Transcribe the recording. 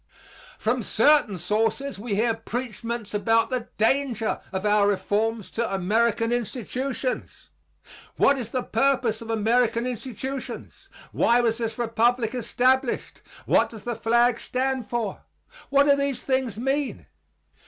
From certain sources we hear preachments about the danger of our reforms to American institutions. What is the purpose of American institutions? Why was this Republic established? What does the flag stand for? What do these things mean?